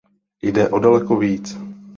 Jde o daleko víc.